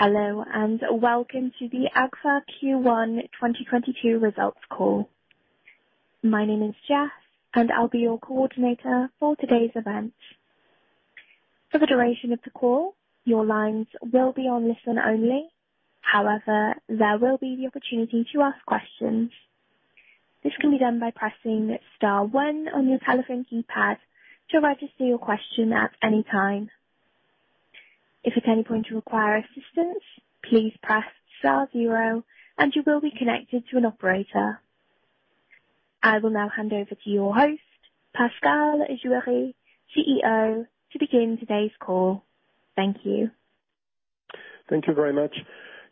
Hello, and welcome to the Agfa Q1 2022 results call. My name is Jess, and I'll be your coordinator for today's event. For the duration of the call, your lines will be on listen only. However, there will be the opportunity to ask questions. This can be done by pressing star one on your telephone keypad to register your question at any time. If at any point you require assistance, please press star zero, and you will be connected to an operator. I will now hand over to your host, Pascal Juéry, CEO, to begin today's call. Thank you. Thank you very much.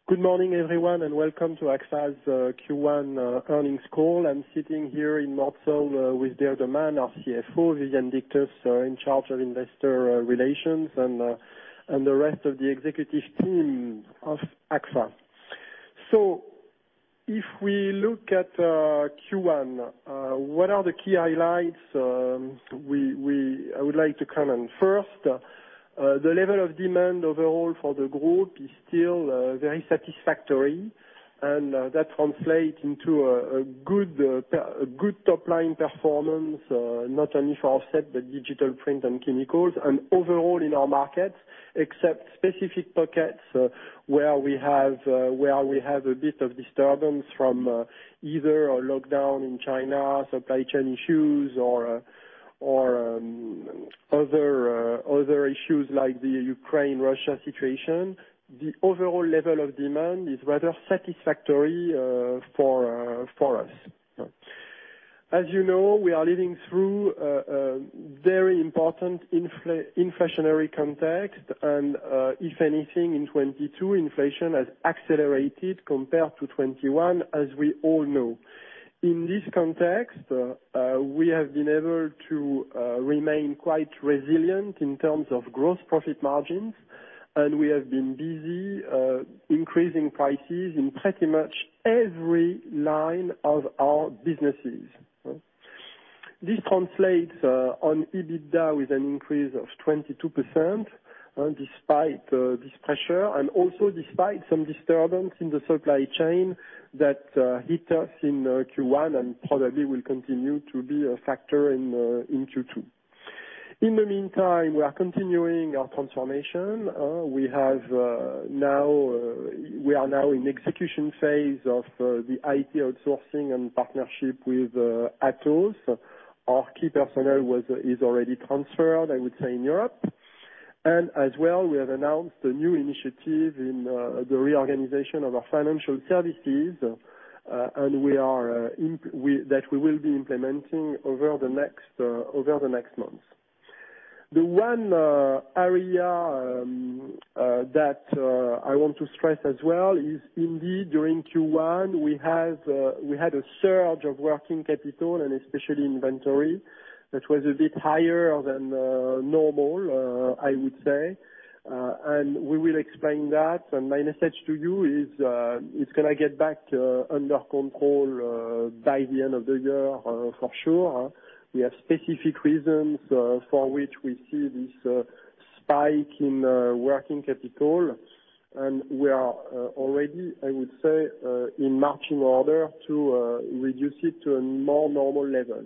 Good morning, everyone, and welcome to Agfa Q1 earnings call. I'm sitting here in Mortsel with Dirk De Man, our CFO, Viviane Dictus in charge of Investor Relations, and the rest of the executive team of Agfa. If we look at Q1, what are the key highlights? I would like to comment. First, the level of demand overall for the group is still very satisfactory, and that translate into a good top-line performance, not only for Offset but Digital Print & Chemicals. Overall in our markets, except specific pockets, where we have a bit of disturbance from either a lockdown in China, supply chain issues, or other issues like the Ukraine-Russia situation. The overall level of demand is rather satisfactory for us. As you know, we are living through a very important inflationary context and, if anything, in 2022 inflation has accelerated compared to 2021, as we all know. In this context, we have been able to remain quite resilient in terms of gross profit margins, and we have been busy increasing prices in pretty much every line of our businesses. This translates on EBITDA with an increase of 22%, despite this pressure and also despite some disturbance in the supply chain that hit us in Q1 and probably will continue to be a factor in Q2. In the meantime, we are continuing our transformation. We are now in the execution phase of the IT outsourcing and partnership with Atos. Our key personnel is already transferred, I would say, in Europe. As well, we have announced a new initiative in the reorganization of our financial services, and that we will be implementing over the next months. The one area that I want to stress as well is indeed, during Q1, we had a surge of working capital and especially inventory that was a bit higher than normal, I would say. We will explain that. My message to you is, it's gonna get back under control by the end of the year, for sure. We have specific reasons for which we see this spike in working capital, and we are already, I would say, in matching order to reduce it to a more normal level.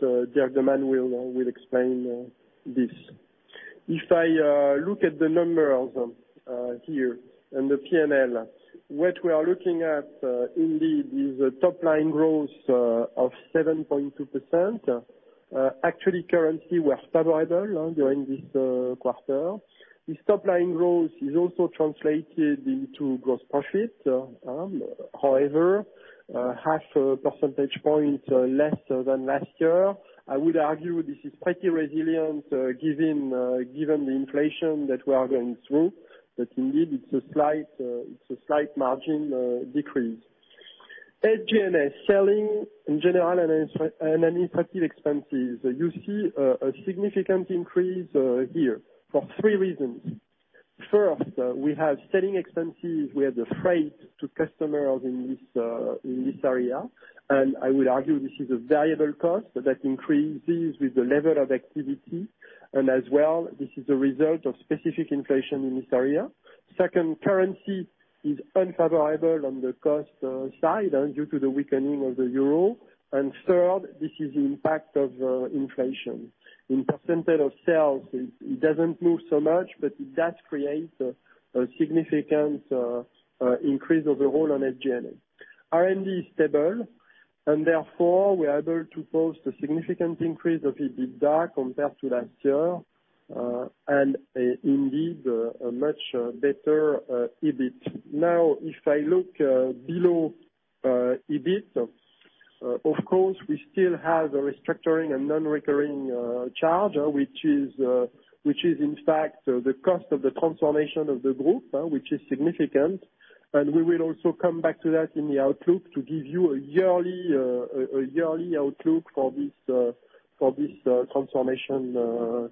Dirk De Man will explain this. If I look at the numbers here in the P&L, what we are looking at indeed is a top-line growth of 7.2%. Actually currency was favorable during this quarter. This top-line growth is also translated into gross profit. However, half a percentage point less than last year. I would argue this is pretty resilient given the inflation that we are going through. Indeed it's a slight margin decrease. SG&A, selling, general, and administrative expenses. You see, a significant increase here for three reasons. First, we have selling expenses. We have the freight to customers in this area, and I would argue this is a variable cost that increases with the level of activity, and as well, this is a result of specific inflation in this area. Second, currency is unfavorable on the cost side and due to the weakening of the euro. Third, this is impact of inflation. In percentage of sales, it doesn't move so much, but it does create a significant increase overall on SG&A. R&D is stable, and therefore we are able to post a significant increase of EBITDA compared to last year, and indeed, a much better EBIT. Now, if I look below EBIT, of course, we still have a restructuring and non-recurring charge which is in fact the cost of the transformation of the group, which is significant. We will also come back to that in the outlook to give you a yearly outlook for this transformation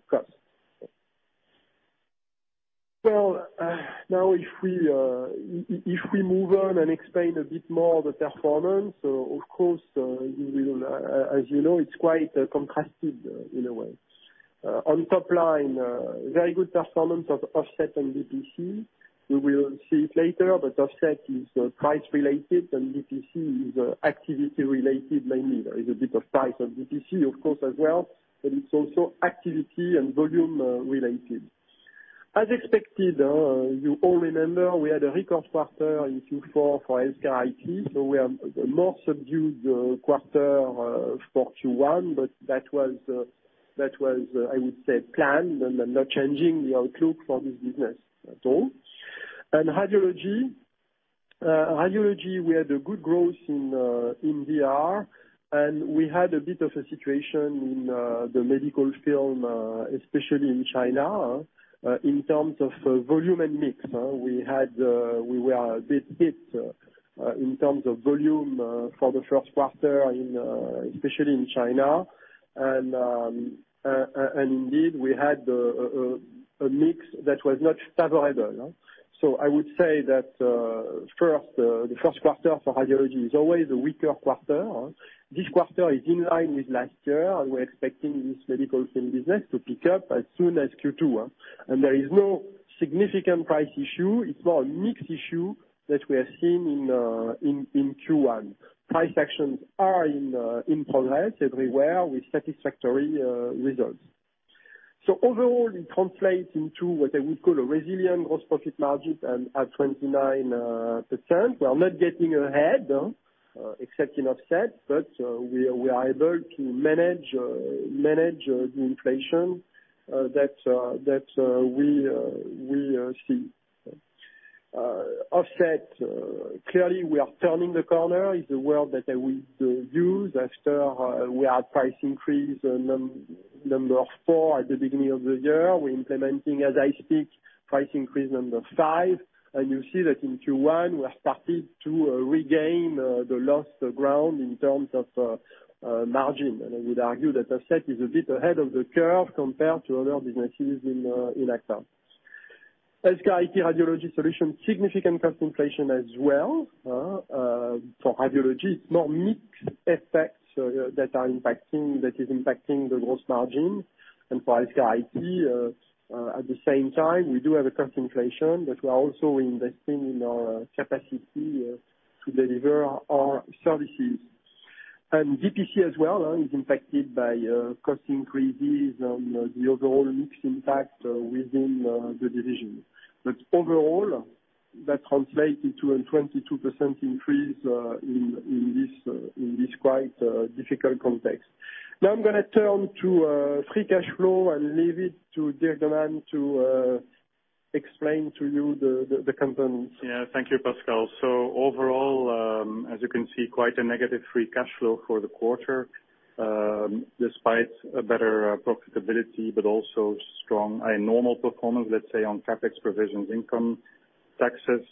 cost. Now if we move on and explain a bit more the performance, of course, we will, as you know, it's quite contrasted in a way. On top line, very good performance of Offset and DPC. You will see it later, but Offset is price related and DPC is activity related mainly. There is a bit of price on DPC of course as well, but it's also activity and volume related. As expected, you all remember we had a record quarter in Q4 for HealthCare IT, so we are a more subdued quarter for Q1, but that was I would say planned and I'm not changing the outlook for this business at all. Radiology, we had a good growth in DR, and we had a bit of a situation in the medical film, especially in China, in terms of volume and mix, we were a bit hit in terms of volume for the first quarter, especially in China. Indeed we had a mix that was not favorable. I would say that first the first quarter for Radiology is always a weaker quarter. This quarter is in line with last year, and we're expecting this medical film business to pick up as soon as Q2. There is no significant price issue. It's more a mix issue that we have seen in Q1. Price actions are in progress everywhere with satisfactory results. Overall, it translates into what I would call a resilient gross profit margin at 29%. We are not getting ahead except in Offset, but we are able to manage the inflation that we see. Offset, clearly we are turning the corner, is the word that I would use after we had price increase number four at the beginning of the year. We're implementing, as I speak, price increase number five. You see that in Q1 we have started to regain the lost ground in terms of margin. I would argue that Offset is a bit ahead of the curve compared to other businesses in Agfa. HealthCare IT, Radiology Solutions, significant cost inflation as well. For Radiology, it's more mix effects that is impacting the gross margin. For HealthCare IT, at the same time, we do have a cost inflation, but we are also investing in our capacity to deliver our services. DPC as well is impacted by cost increases and the overall mix impact within the division. Overall, that translates into a 22% increase in this quite difficult context. Now I'm gonna turn to free cash flow and leave it to Dirk De Man to explain to you the components. Yeah. Thank you, Pascal. Overall, as you can see, quite a negative free cash flow for the quarter, despite a better profitability but also strong and normal performance, let's say, on CapEx provisions income, taxes,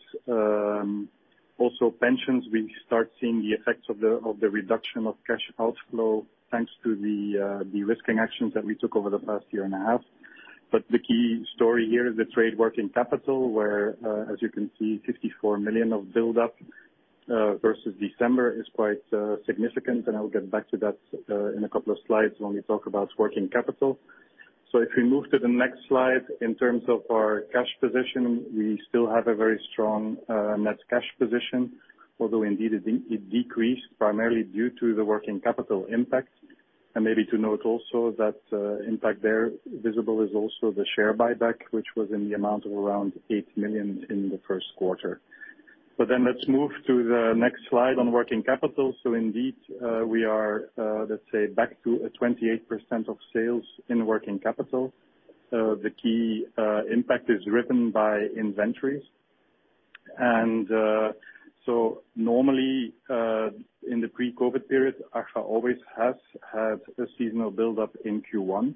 also pensions. We start seeing the effects of the reduction of cash outflow, thanks to the restructuring actions that we took over the past year and a half. The key story here is the trade working capital, where, as you can see, 54 million of buildup versus December is quite significant, and I'll get back to that in a couple of slides when we talk about working capital. If we move to the next slide, in terms of our cash position, we still have a very strong net cash position, although indeed it decreased primarily due to the working capital impact. Maybe to note also that impact there visible is also the share buyback, which was in the amount of around 8 million in the first quarter. Let's move to the next slide on working capital. Indeed, we are, let's say, back to a 28% of sales in working capital. The key impact is driven by inventories. Normally, in the pre-COVID period, Agfa always has had a seasonal buildup in Q1,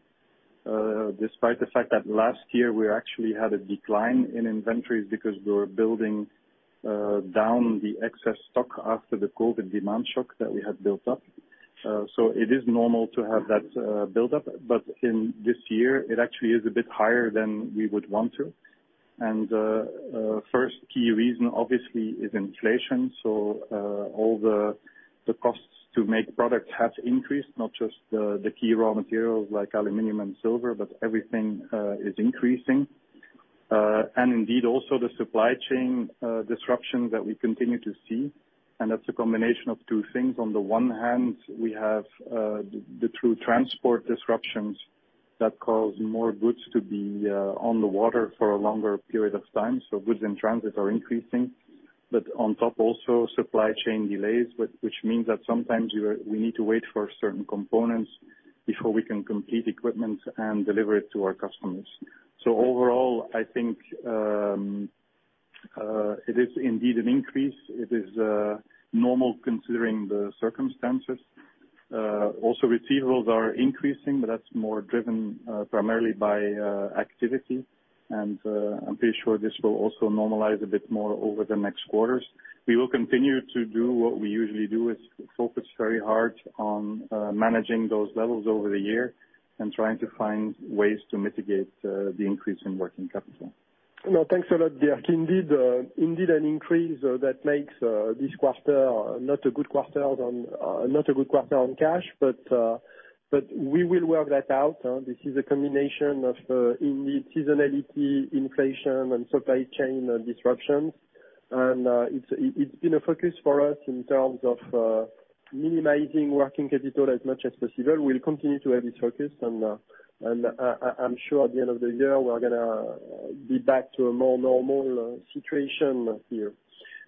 despite the fact that last year we actually had a decline in inventories because we were building down the excess stock after the COVID demand shock that we had built up. It is normal to have that buildup, but in this year, it actually is a bit higher than we would want to. First key reason obviously is inflation. All the costs to make products have increased, not just the key raw materials like aluminum and silver, but everything is increasing. Indeed also the supply chain disruption that we continue to see, and that's a combination of two things. On the one hand, we have the true transport disruptions that cause more goods to be on the water for a longer period of time, so goods in transit are increasing. On top also, supply chain delays, which means that sometimes we need to wait for certain components before we can complete equipment and deliver it to our customers. Overall, I think it is indeed an increase. It is normal considering the circumstances. Also receivables are increasing, but that's more driven primarily by activity. I'm pretty sure this will also normalize a bit more over the next quarters. We will continue to do what we usually do, is focus very hard on managing those levels over the year and trying to find ways to mitigate the increase in working capital. No, thanks a lot, Dirk. Indeed, an increase that makes this quarter not a good quarter on cash, but we will work that out. This is a combination of seasonality, inflation, and supply chain disruptions. It's been a focus for us in terms of minimizing working capital as much as possible. We'll continue to have this focus and I'm sure at the end of the year we're gonna be back to a more normal situation here.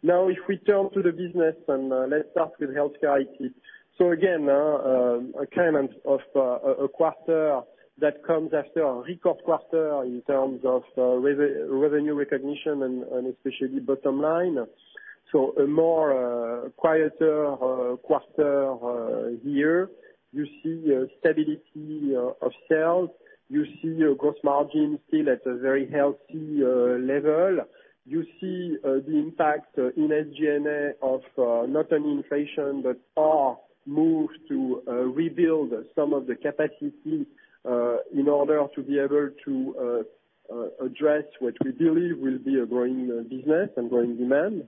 Now if we turn to the business and let's start with HealthCare IT. Again, a kind of quarter that comes after a record quarter in terms of revenue recognition and especially bottom line. A more quieter quarter here. You see stability of sales. You see a gross margin still at a very healthy level. You see the impact in SG&A of not only inflation but our move to rebuild some of the capacity in order to be able to address what we believe will be a growing business and growing demand.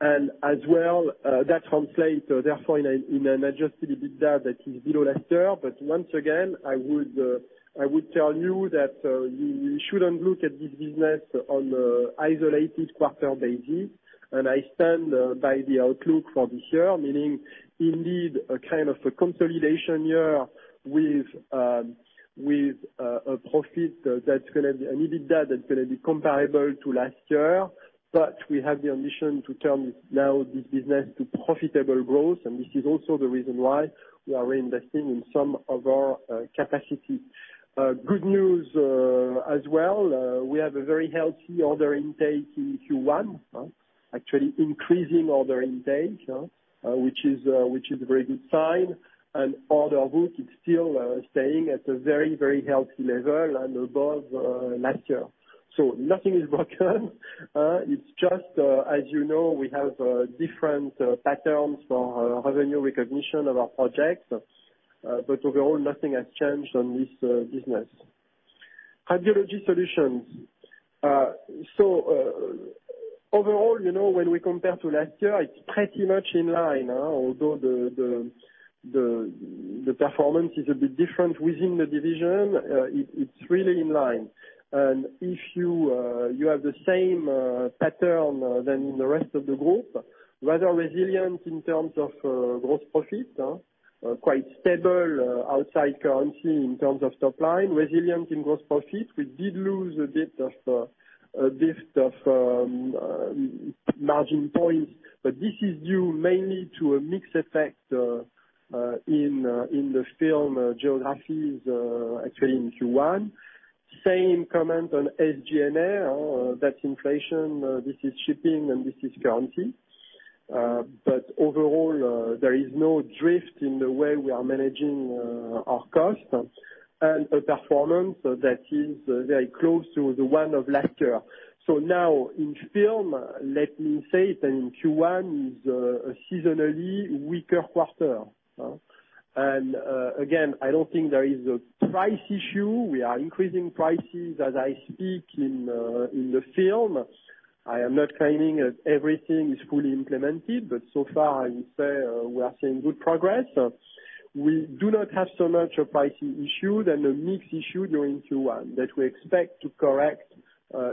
As well, that translate therefore in an Adjusted EBITDA that is below last year. Once again, I would tell you that you shouldn't look at this business on an isolated quarter basis. I stand by the outlook for this year meaning indeed a kind of a consolidation year with a profit that's gonna be an EBITDA that's gonna be comparable to last year. But we have the ambition to turn now this business to profitable growth. This is also the reason why we are reinvesting in some of our capacity. Good news as well, we have a very healthy order intake in Q1. Actually increasing order intake, which is a very good sign, and order book is still staying at a very, very healthy level and above last year. Nothing is broken. It's just, as you know, we have different patterns for revenue recognition of our projects. But overall nothing has changed on this business, Radiology Solutions. Overall, you know, when we compare to last year, it's pretty much in line. Although the performance is a bit different within the division, it's really in line. If you have the same pattern as in the rest of the group, rather resilient in terms of gross profit, quite stable outside currency in terms of top line, resilient in gross profit. We did lose a bit of margin points, but this is due mainly to a mix effect in the film geographies, actually in Q1. Same comment on SG&A, that's inflation, this is shipping, and this is currency. Overall, there is no drift in the way we are managing our costs and a performance that is very close to the one of last year. Now, in film, let me say it, and Q1 is a seasonally weaker quarter. Again, I don't think there is a price issue. We are increasing prices as I speak in the film. I am not claiming that everything is fully implemented, but so far I will say we are seeing good progress. We do not have so much a pricing issue than a mix issue during Q1 that we expect to correct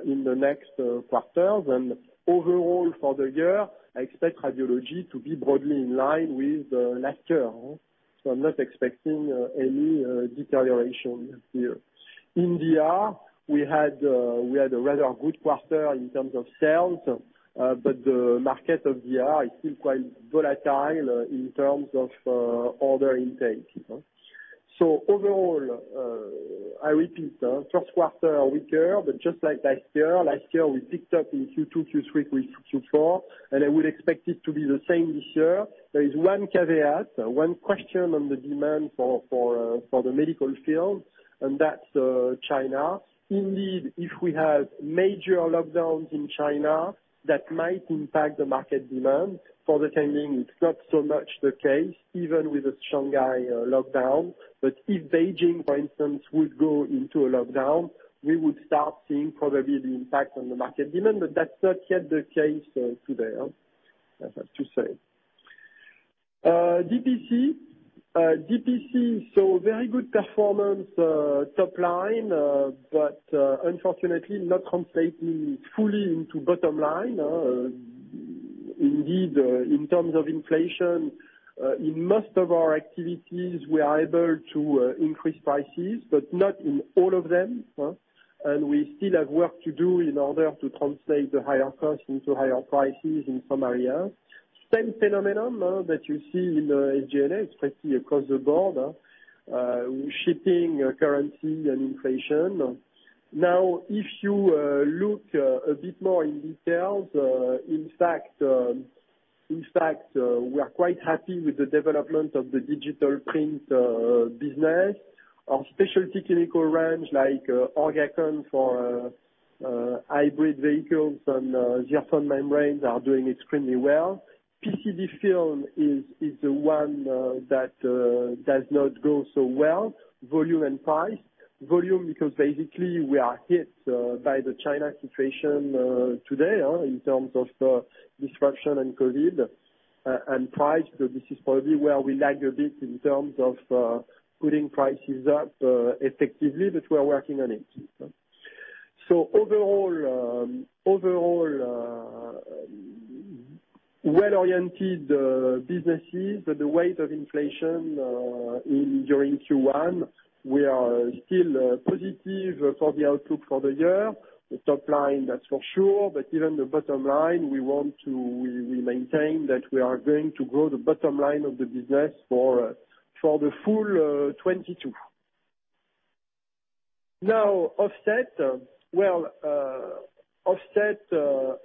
in the next quarters. Overall for the year, I expect Radiology to be broadly in line with last year. I'm not expecting any deterioration here. India, we had a rather good quarter in terms of sales, but the market of India is still quite volatile in terms of order intake. Overall, I repeat, first quarter weaker, but just like last year, we picked up in Q2, Q3, with Q4, and I would expect it to be the same this year. There is one caveat, one question on the demand for the medical field, and that's China. Indeed, if we have major lockdowns in China, that might impact the market demand. For the time being, it's not so much the case, even with the Shanghai lockdown. If Beijing, for instance, would go into a lockdown, we would start seeing probably the impact on the market demand, but that's not yet the case today, I have to say. DPC. DPC, so very good performance, top line, but unfortunately not translating fully into bottom line. Indeed, in terms of inflation, in most of our activities, we are able to increase prices, but not in all of them. We still have work to do in order to translate the higher costs into higher prices in some areas. Same phenomenon that you see in the SG&A, especially across the board, shipping, currency, and inflation. Now, if you look a bit more in detail, in fact, we are quite happy with the development of the digital print business. Our specialty technical range like ORGACON for hybrid vehicles and ZIRFON membranes are doing extremely well. PET film is the one that does not go so well, volume and price. Volume, because basically we are hit by the China situation today in terms of disruption and COVID. And price, so this is probably where we lag a bit in terms of putting prices up effectively, but we're working on it. Overall, well-oriented businesses, but the weight of inflation during Q1, we are still positive for the outlook for the year. The top line, that's for sure, but even the bottom line, we maintain that we are going to grow the bottom line of the business for the full 2022. Now, Offset,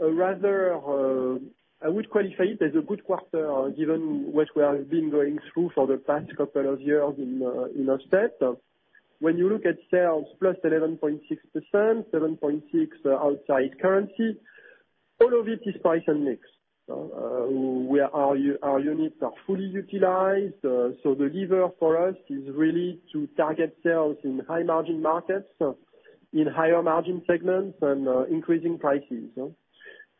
rather, I would qualify it as a good quarter, given what we have been going through for the past couple of years in Offset. When you look at sales +11.6%, 7.6% outside currency, all of it is price and mix. We are, our units are fully utilized, so the lever for us is really to target sales in high margin markets, so in higher margin segments and increasing prices.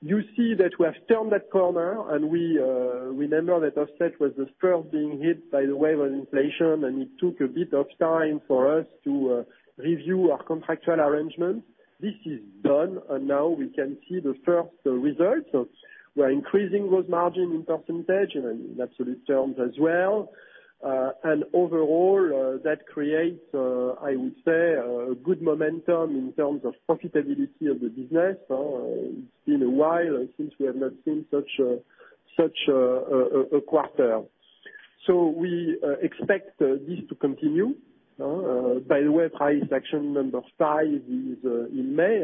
You see that we have turned that corner and we remember that Offset was the first being hit by the wave of inflation, and it took a bit of time for us to review our contractual arrangement. This is done, and now we can see the first results. We're increasing gross margin in percentage and in absolute terms as well. Overall, that creates, I would say, a good momentum in terms of profitability of the business. It's been a while since we have not seen such a quarter. We expect this to continue. By the way, price action number five is in May,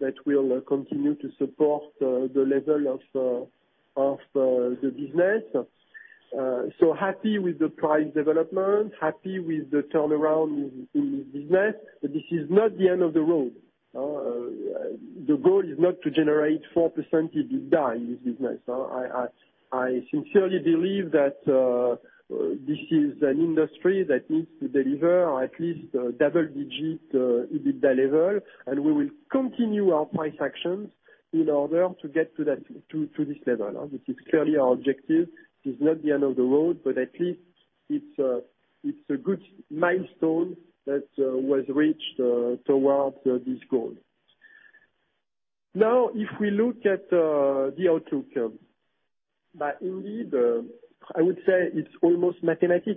that will continue to support the level of the business. Happy with the price development, happy with the turnaround in business. This is not the end of the road. The goal is not to generate 4% EBITDA in this business. I sincerely believe that this is an industry that needs to deliver at least double-digit EBITDA level, and we will continue our price actions in order to get to that, to this level. This is clearly our objective. This is not the end of the road, but at least it's a good milestone that was reached towards this goal. Now, if we look at the outlook, that indeed I would say it's almost mathematical.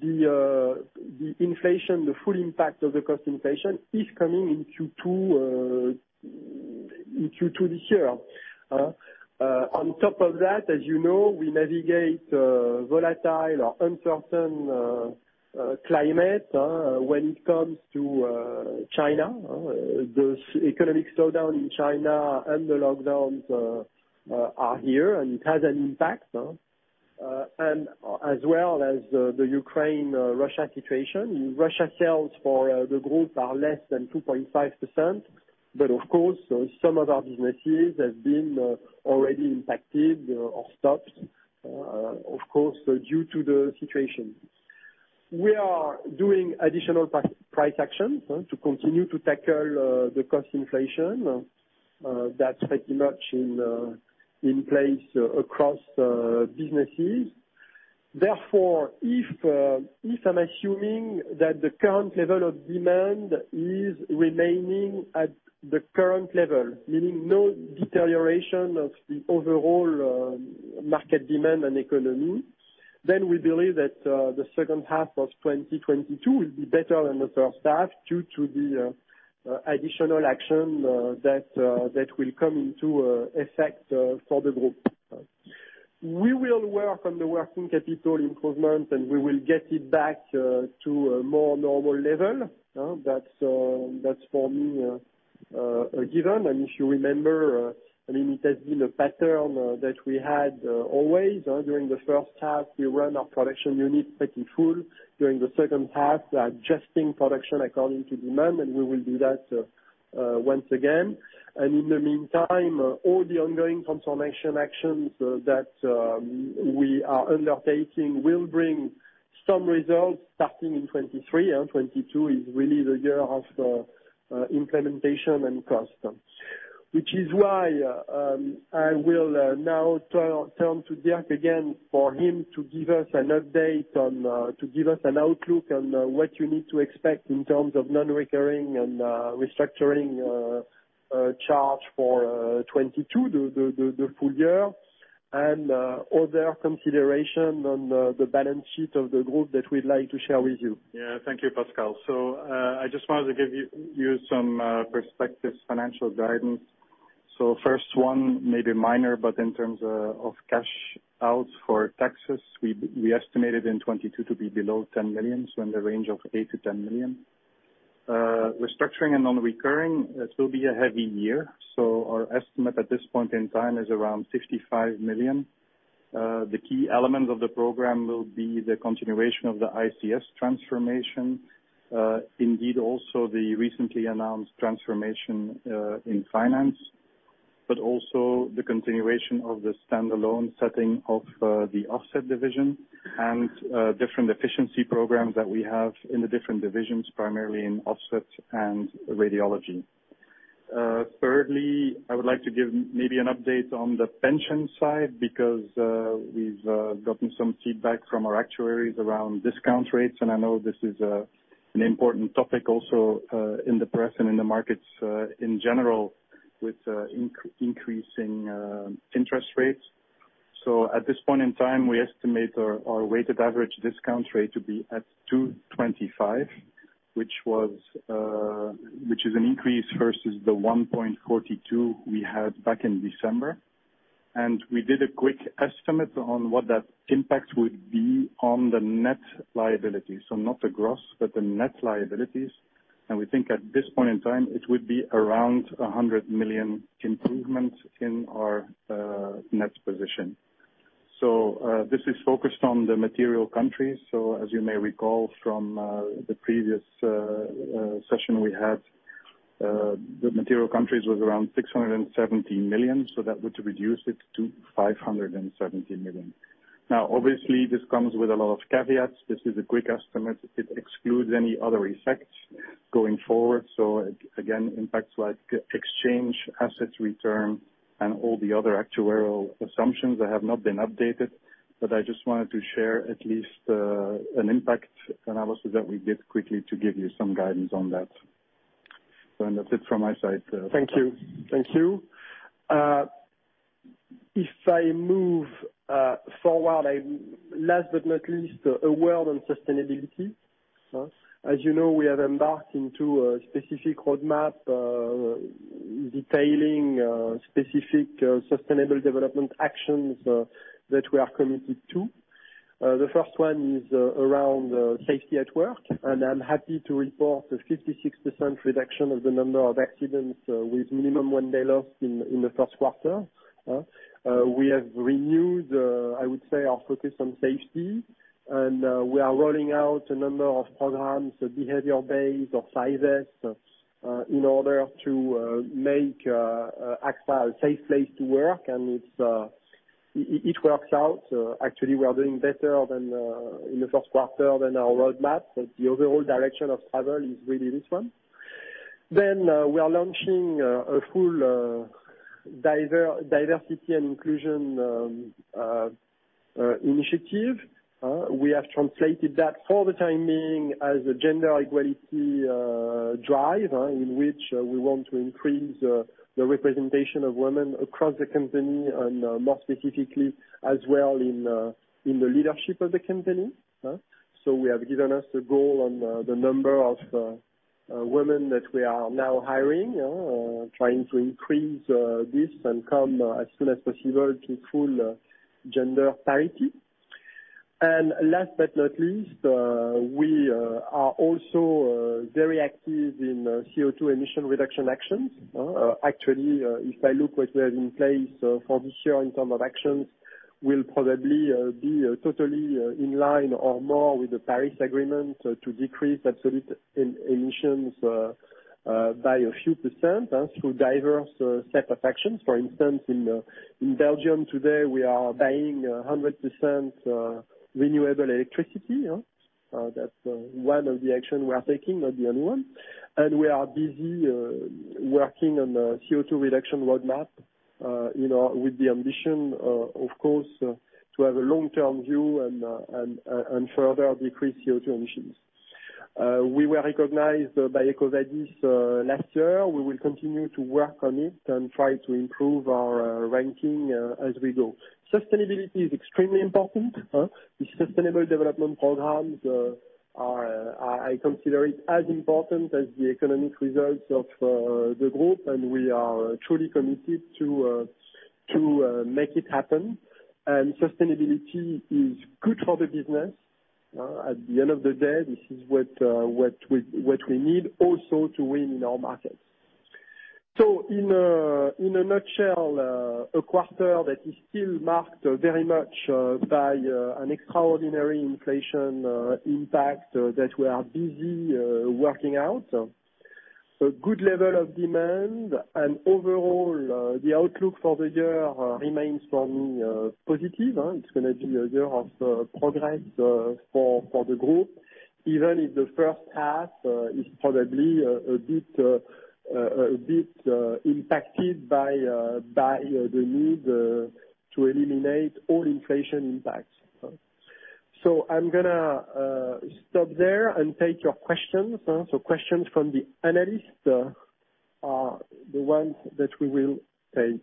The inflation, the full impact of the cost inflation is coming in Q2, in Q2 this year. On top of that, as you know, we navigate volatile or uncertain climate when it comes to China. The economic slowdown in China and the lockdowns are here, and it has an impact. The Ukraine Russia situation. Russia sales for the group are less than 2.5%. Of course, some of our businesses have been already impacted or stopped, of course, due to the situation. We are doing additional price actions to continue to tackle the cost inflation. That's pretty much in place across businesses. Therefore, if I'm assuming that the current level of demand is remaining at the current level, meaning no deterioration of the overall market demand and economy, then we believe that the second half of 2022 will be better than the first half due to the additional action that will come into effect for the group. We will work on the working capital improvement, and we will get it back to a more normal level. That's for me a given. If you remember, I mean, it has been a pattern that we had always. During the first half, we run our production units pretty full. During the second half, adjusting production according to demand, and we will do that once again. In the meantime, all the ongoing transformation actions that we are undertaking will bring some results starting in 2023, and 2022 is really the year of implementation and cost. Which is why, I will now turn to Dirk again for him to give us an outlook on what you need to expect in terms of non-recurring and restructuring charge for 2022, the full year, and other consideration on the balance sheet of the group that we'd like to share with you. Yeah. Thank you, Pascal. I just wanted to give you some perspectives, financial guidance. First one may be minor, but in terms of cash out for taxes, we estimated in 2022 to be below 10 million, so in the range of 8 million-10 million. Restructuring and non-recurring. This will be a heavy year. Our estimate at this point in time is around 55 million. The key element of the program will be the continuation of the ICS transformation, indeed also the recently announced transformation in finance, but also the continuation of the standalone setting of the Offset division and different efficiency programs that we have in the different divisions, primarily in Offset and Radiology. Thirdly, I would like to give maybe an update on the pension side because we've gotten some feedback from our actuaries around discount rates, and I know this is an important topic also in the press and in the markets in general with increasing interest rates. At this point in time, we estimate our weighted average discount rate to be at 2.25%, which is an increase versus the 1.42% we had back in December. We did a quick estimate on what that impact would be on the net liability, so not the gross, but the net liabilities. We think at this point in time, it would be around 100 million improvement in our net position. This is focused on the material countries. As you may recall from the previous session we had, the material countries was around 617 million, so that would reduce it to 517 million. Now, obviously, this comes with a lot of caveats. This is a quick estimate. It excludes any other FX going forward. Again, impacts like FX exchange, asset return, and all the other actuarial assumptions that have not been updated. I just wanted to share at least an impact analysis that we did quickly to give you some guidance on that. That's it from my side. Thank you. If I move forward, last but not least, a word on sustainability. Yes. As you know, we have embarked into a specific roadmap detailing specific sustainable development actions that we are committed to. The first one is around safety at work, and I'm happy to report a 56% reduction of the number of accidents with minimum one day lost in the first quarter. We have renewed, I would say, our focus on safety, and we are rolling out a number of programs, behavior-based safety, in order to make Agfa a safe place to work. It works out. Actually, we are doing better than in the first quarter than our roadmap, but the overall direction of travel is really this one. We are launching a full diversity and inclusion initiative. We have translated that for the time being as a gender equality drive, in which we want to increase the representation of women across the company and, more specifically as well in the leadership of the company. We have given us a goal on the number of women that we are now hiring, trying to increase this and come as soon as possible to full gender parity. Last but not least, we are also very active in CO2 emission reduction actions. Actually, if I look what we have in place for this year in terms of actions, we'll probably be totally in line or more with the Paris Agreement to decrease absolute emissions by a few percent through diverse set of actions. For instance, in Belgium today, we are buying 100% renewable electricity. That's one of the actions we are taking, not the only one. We are busy working on a CO2 reduction roadmap, you know, with the ambition, of course, to have a long-term view and further decrease CO2 emissions. We were recognized by EcoVadis last year. We will continue to work on it and try to improve our ranking as we go. Sustainability is extremely important. The sustainable development programs are considered as important as the economic results of the group, and we are truly committed to make it happen. Sustainability is good for the business. At the end of the day, this is what we need also to win in our markets. In a nutshell, a quarter that is still marked very much by an extraordinary inflation impact that we are busy working out. A good level of demand and overall, the outlook for the year remains for me positive. It's gonna be a year of progress for the group, even if the first half is probably a bit impacted by the need to eliminate all inflation impacts. I'm gonna stop there and take your questions. Questions from the analysts are the ones that we will take.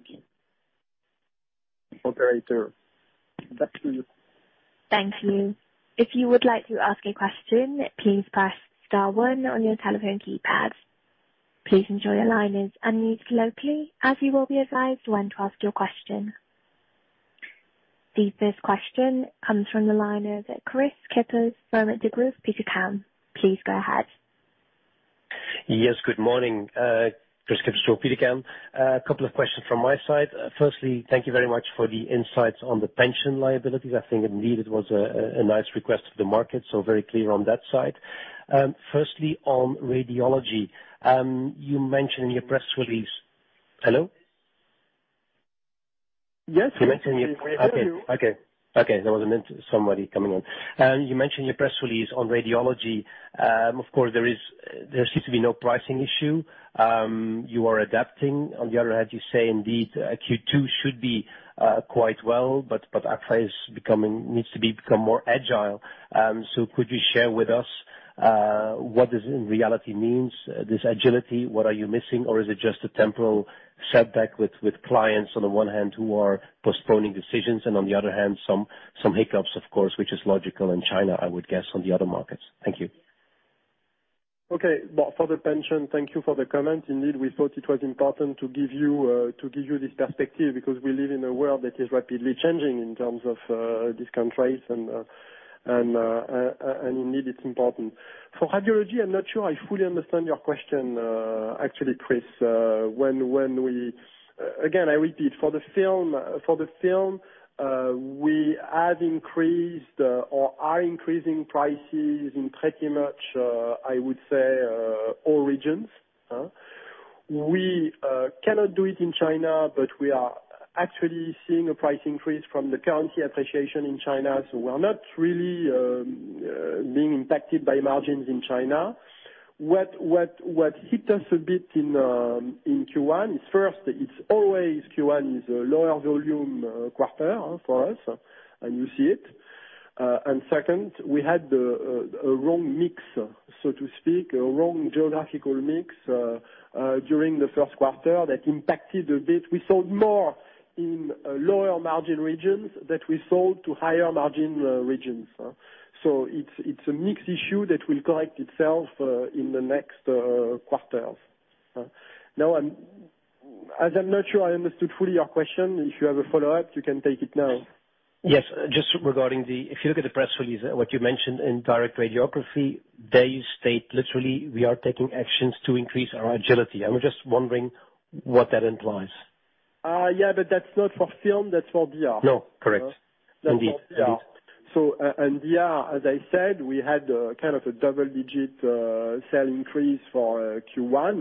Operator, back to you. Thank you. If you would like to ask a question, please press star one on your telephone keypad. Please ensure your line is unmuted locally as you will be advised when to ask your question. The first question comes from the line of Kris Kippers from Degroof Petercam. Please go ahead. Yes, good morning. Kris Kippers from Degroof Petercam. A couple of questions from my side. Firstly, thank you very much for the insights on the pension liabilities. I think indeed it was a nice request for the market, so very clear on that side. Firstly, on Radiology, you mentioned in your press release. Hello? Yes. You mentioned your press release on Radiology. Of course, there seems to be no pricing issue. You are adapting. On the other hand, you say indeed Q2 should be quite well, but our Radiology needs to become more agile. Could you share with us what this in reality means, this agility? What are you missing? Or is it just a temporary setback with clients on the one hand who are postponing decisions and on the other hand some hiccups, of course, which is logical in China, I would guess, on the other markets. Thank you. Okay. Well, for the pension, thank you for the comment. Indeed, we thought it was important to give you this perspective because we live in a world that is rapidly changing in terms of these countries and indeed, it's important. For Radiology, I'm not sure I fully understand your question, actually, Kris. Again, I repeat, for the film, we have increased or are increasing prices in pretty much I would say all regions. We cannot do it in China, but we are actually seeing a price increase from the currency appreciation in China, so we are not really being impacted by margins in China. What hit us a bit in Q1 is, first, it's always Q1 is a lower volume quarter for us, and you see it. Second, we had a wrong mix, so to speak, a wrong geographical mix during the first quarter that impacted a bit. We sold more in lower margin regions than we sold to higher margin regions. It's a mix issue that will correct itself in the next quarters. Now, as I'm not sure I understood fully your question, if you have a follow-up, you can take it now. Yes. Just regarding. If you look at the press release, what you mentioned in Direct Radiography, there you state literally, "We are taking actions to increase our agility." I was just wondering what that implies. Yeah, that's not for film, that's for DR. No, correct. That's for DR. Indeed. Indeed. As I said, we had kind of a double-digit sales increase for Q1.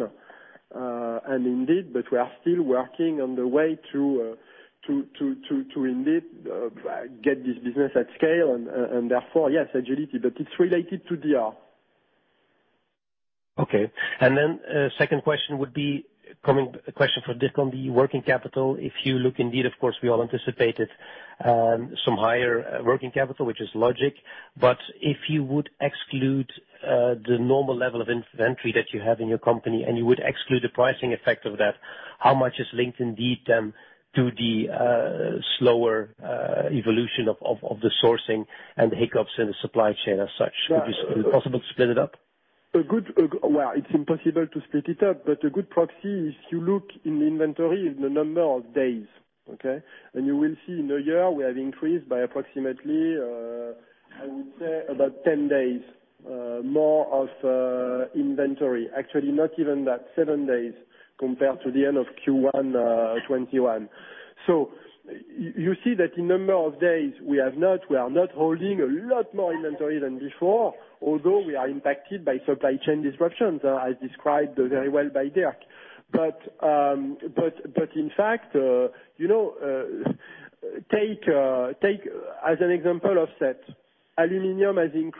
we are still working on the way to indeed get this business at scale and therefore yes, agility. it's related to DR. Okay. Second question would be coming, a question for Dirk on the working capital. If you look, indeed, of course, we all anticipated some higher working capital, which is logical. But if you would exclude the normal level of inventory that you have in your company, and you would exclude the pricing effect of that, how much is linked indeed then to the slower evolution of the sourcing and hiccups in the supply chain as such? Yeah. Is it possible to split it up? Well, it's impossible to split it up, but a good proxy is you look in the inventory in the number of days, okay? You will see in the year we have increased by approximately, I would say about 10 days, more of inventory. Actually, not even that, seven days compared to the end of Q1 2021. You see that in number of days, we are not holding a lot more inventory than before, although we are impacted by supply chain disruptions, as described very well by Dirk. In fact, you know, take as an example Offset. Aluminum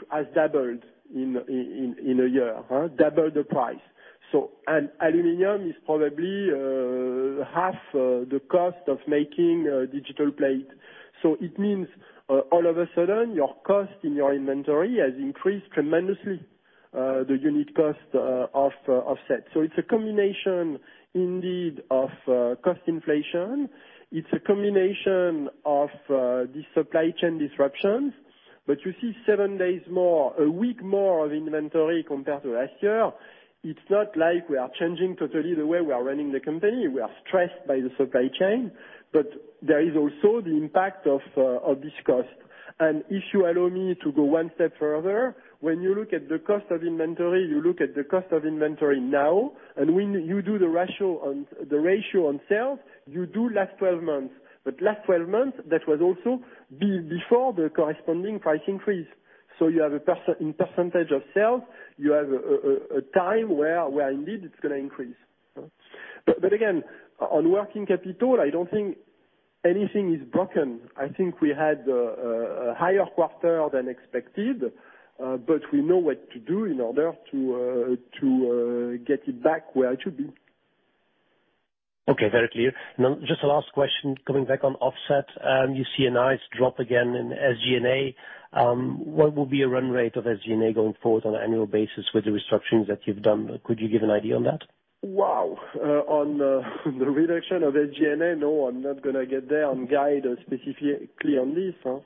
has doubled in a year. Doubled the price. And aluminum is probably half the cost of making a digital plate. It means, all of a sudden, your cost in your inventory has increased tremendously, the unit cost of Offset. It's a combination indeed of cost inflation. It's a combination of the supply chain disruptions. You see seven days more, a week more of inventory compared to last year. It's not like we are changing totally the way we are running the company. We are stressed by the supply chain. There is also the impact of this cost. If you allow me to go one step further, when you look at the cost of inventory, you look at the cost of inventory now, and when you do the ratio on sales, you do last 12 months. Last 12 months, that was also before the corresponding price increase. You have, in percentage of sales, a time where indeed it's gonna increase. But again, on working capital, I don't think anything is broken. I think we had a higher quarter than expected, but we know what to do in order to get it back where it should be. Okay, very clear. Now just a last question, coming back on Offset. You see a nice drop again in SG&A. What will be a run rate of SG&A going forward on an annual basis with the restructurings that you've done? Could you give an idea on that? Wow. On the reduction of SG&A, no, I'm not gonna get there and guide specifically on this, huh.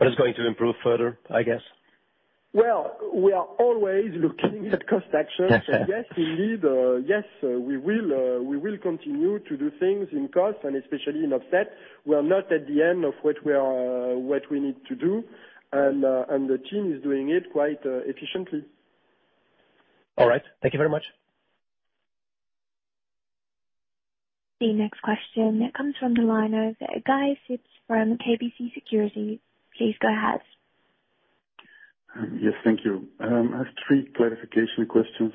It's going to improve further, I guess? Well, we are always looking at cost action. Yes, indeed, yes, we will continue to do things in cost and especially in Offset. We are not at the end of what we need to do. The team is doing it quite efficiently. All right. Thank you very much. The next question comes from the line of Guy Sips from KBC Securities. Please go ahead. Yes, thank you. I have three clarification questions.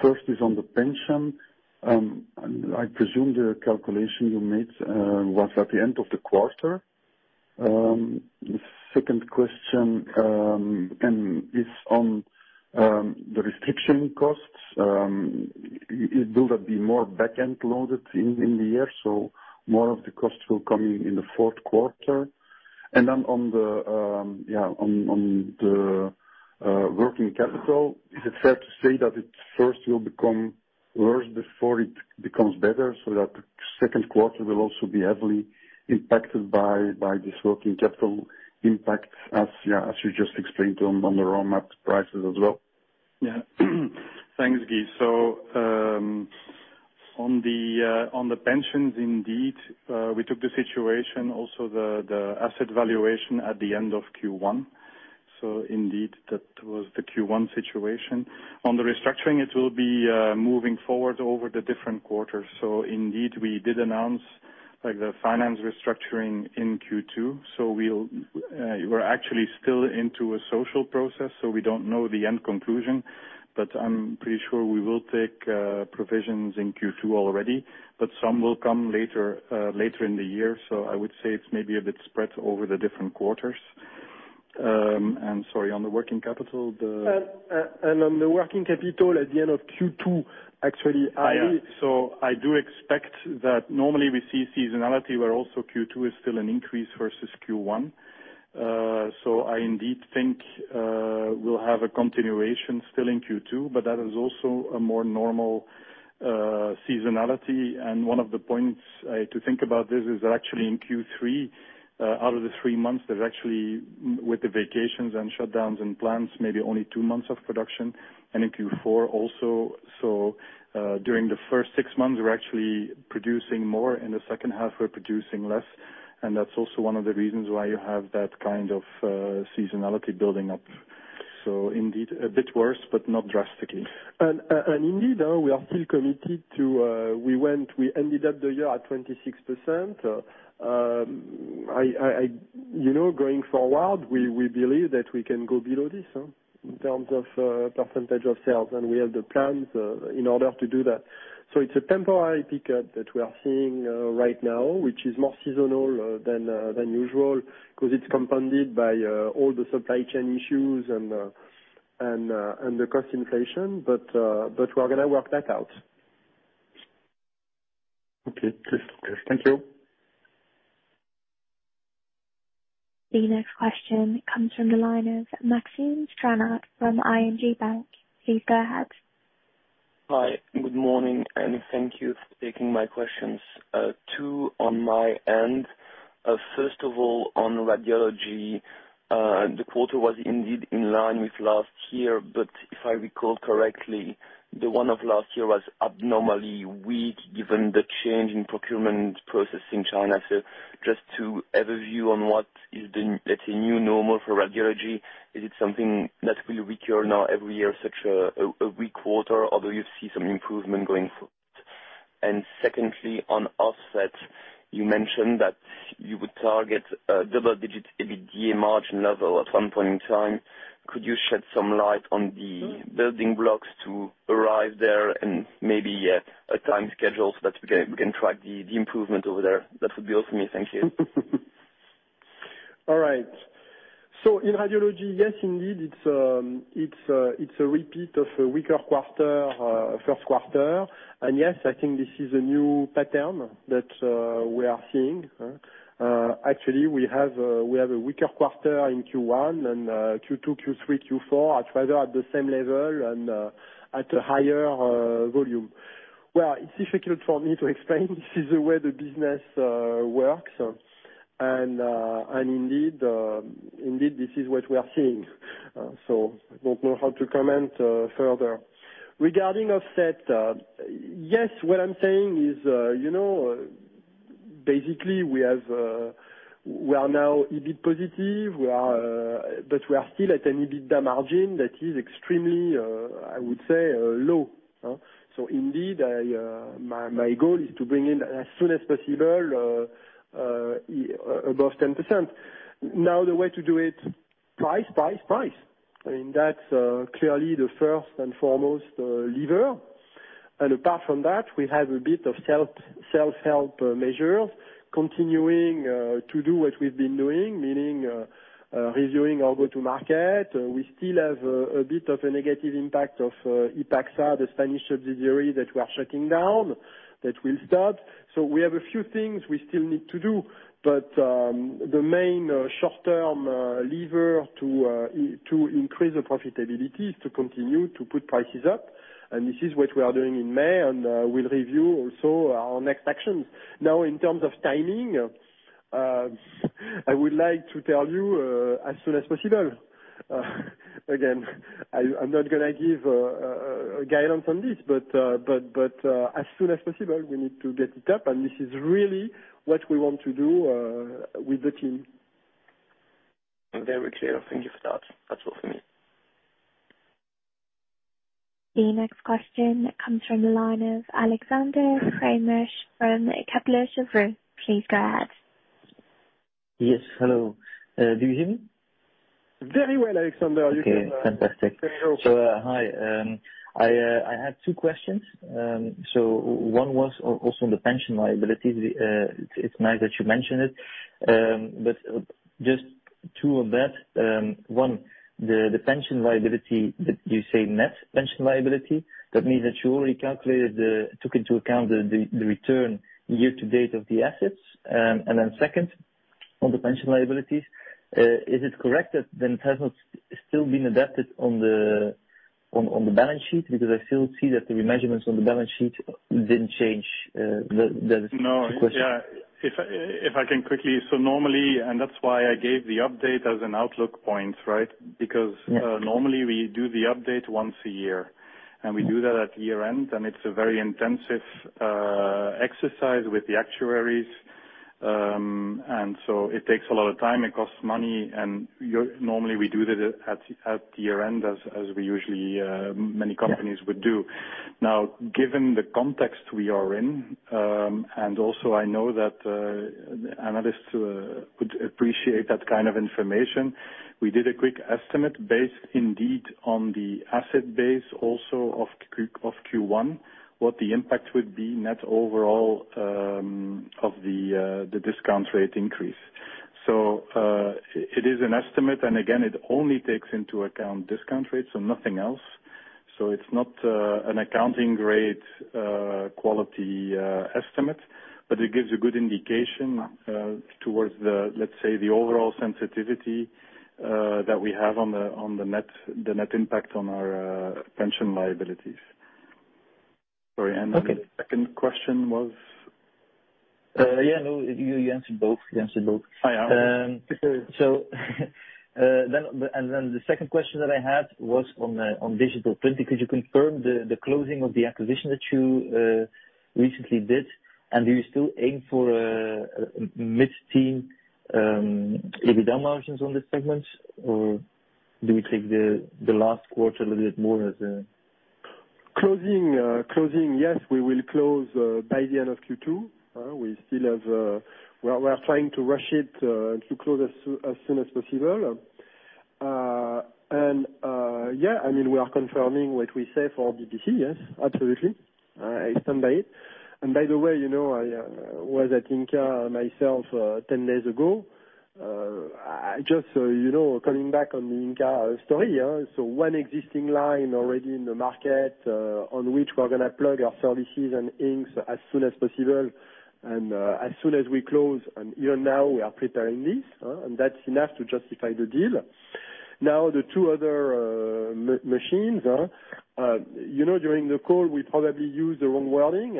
First is on the pension. I presume the calculation you made was at the end of the quarter. Second question is on the restructuring costs. Will that be more back-end loaded in the year, so more of the cost will come in the fourth quarter? On the working capital, is it fair to say that it first will become worse before it becomes better, so that the second quarter will also be heavily impacted by this working capital impact as you just explained on the raw material prices as well? Thanks, Guy. On the pensions indeed, we took the situation, also the asset valuation at the end of Q1, indeed that was the Q1 situation. On the restructuring, it will be moving forward over the different quarters. Indeed, we did announce like the financial restructuring in Q2. We're actually still into a social process, so we don't know the end conclusion. I'm pretty sure we will take provisions in Q2 already, but some will come later in the year. I would say it's maybe a bit spread over the different quarters. And sorry, on the working capital. On the working capital at the end of Q2, actually I. I do expect that normally we see seasonality where also Q2 is still an increase versus Q1. I indeed think we'll have a continuation still in Q2, but that is also a more normal seasonality. One of the points to think about this is that actually in Q3 out of the three months there's actually with the vacations and shutdowns and plants, maybe only two months of production. In Q4 also, during the first six months we're actually producing more, in the second half we're producing less. That's also one of the reasons why you have that kind of seasonality building up. Indeed a bit worse, but not drastically. Indeed, we are still committed to, we went, we ended up the year at 26%. You know, going forward, we believe that we can go below this in terms of percentage of sales, and we have the plans in order to do that. It's a temporary pickup that we are seeing right now, which is more seasonal than usual 'cause it's compounded by all the supply chain issues and the cost inflation. We're gonna work that out. Okay. Crystal clear. Thank you. The next question comes from the line of Maxime Stranart from ING Bank. Please go ahead. Hi. Good morning, and thank you for taking my questions. Two on my end. First of all, on Radiology, the quarter was indeed in line with last year, but if I recall correctly, the one of last year was abnormally weak given the change in procurement process in China. Just to have a view on what is the, let's say, new normal for Radiology. Is it something that will recur now every year, such a weak quarter, although you see some improvement going forward? Secondly, on Offset, you mentioned that you would target a double-digit EBITDA margin level at some point in time. Could you shed some light on the building blocks to arrive there and maybe a time schedule so that we can track the improvement over there? That would be all for me. Thank you. All right. In Radiology, yes, indeed, it's a repeat of a weaker quarter, first quarter. Yes, I think this is a new pattern that we are seeing. Actually we have a weaker quarter in Q1 and Q2, Q3, Q4 are rather at the same level and at a higher volume. Well, it's difficult for me to explain. This is the way the business works. Indeed this is what we are seeing. I don't know how to comment further. Regarding Offset, yes, what I'm saying is, you know, basically we are now EBIT positive, but we are still at an EBITDA margin that is extremely, I would say, low. Indeed, my goal is to bring in as soon as possible above 10%. Now, the way to do it, price. I mean, that's clearly the first and foremost lever. Apart from that, we have a bit of self-help measures continuing to do what we've been doing, meaning reviewing our go-to-market. We still have a bit of a negative impact of Ipagsa, the Spanish subsidiary that we are shutting down, that will start. We have a few things we still need to do, but the main short-term lever to increase the profitability is to continue to put prices up, and this is what we are doing in May, and we'll review also our next actions. Now, in terms of timing, I would like to tell you as soon as possible. Again, I'm not gonna give guidance on this, but as soon as possible we need to get it up, and this is really what we want to do with the team. Very clear. Thank you for that. That's all for me. The next question comes from the line of Alexander Craeymeersch from Kepler Cheuvreux. Please go ahead. Yes, hello. Do you hear me? Very well, Alexander. Okay, fantastic. Very well. Hi. I had two questions. One was also on the pension liability. It's nice that you mention it. Just two on that. One, the pension liability that you say net pension liability. That means that you already took into account the return year to date of the assets. Second, on the pension liabilities, is it correct that it hasn't still been adjusted on the balance sheet? Because I still see that the remeasurements on the balance sheet didn't change. No. Two questions. If I can quickly. Normally, and that's why I gave the update as an outlook point, right? Because Yeah. Normally we do the update once a year, and we do that at year-end, and it's a very intensive exercise with the actuaries. It takes a lot of time, it costs money, and normally we do it at year-end as we usually, many companies would do. Now, given the context we are in, and also I know that analysts would appreciate that kind of information, we did a quick estimate based indeed on the asset base also of Q1, what the impact would be net overall, of the discount rate increase. It is an estimate, and again, it only takes into account discount rates and nothing else. It's not an accounting grade quality estimate, but it gives a good indication towards the, let's say, overall sensitivity that we have on the net impact on our pension liabilities. Sorry, and- Okay. The second question was? Yeah, no, you answered both. I answered. The second question that I had was on digital printing. Could you confirm the closing of the acquisition that you recently did? Do you still aim for mid-teen EBITDA margins on this segment? Or do we take the last quarter a little bit more as Closing, yes, we will close by the end of Q2. We still have. We are trying to rush it to close as soon as possible. Yeah, I mean, we are confirming what we say for DPC. Yes, absolutely. I stand by it. By the way, you know, I was at Inca myself 10 days ago. Just you know, coming back on the Inca story, so one existing line already in the market, on which we're gonna plug our services and inks as soon as possible and as soon as we close. Even now we are preparing this, and that's enough to justify the deal. Now, the two other machines, you know, during the call we probably used the wrong wording.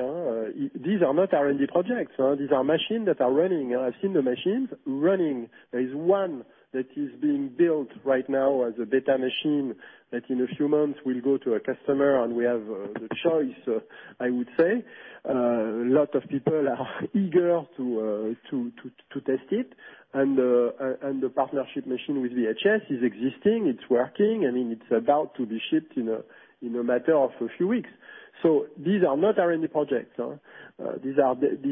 These are not R&D projects. These are machines that are running. I've seen the machines running. There is one that is being built right now as a beta machine that in a few months will go to a customer, and we have the choice, I would say. A lot of people are eager to test it. The partnership machine with BHS is existing, it's working, and it's about to be shipped in a matter of a few weeks. These are not R&D projects. These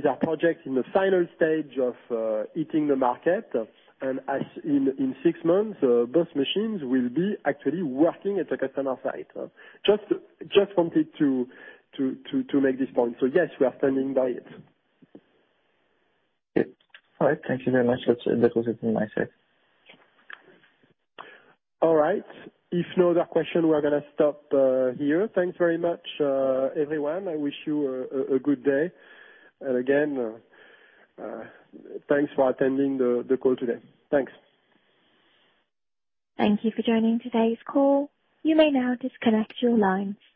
are projects in the final stage of hitting the market. As in six months, both machines will be actually working at a customer site. Just wanted to make this point. Yes, we are standing by it. Yeah. All right. Thank you very much. That's it. That was it from my side. All right. If no other question, we are gonna stop here. Thanks very much, everyone. I wish you a good day. Again, thanks for attending the call today. Thanks. Thank you for joining today's call. You may now disconnect your lines.